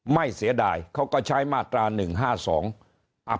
ไม่เสียดายเขาก็ใช้มาตรารัฐมนตรา๑๕๒